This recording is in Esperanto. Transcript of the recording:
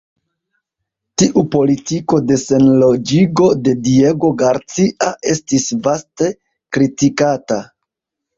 Tiu politiko de Senloĝigo de Diego Garcia estis vaste kritikata.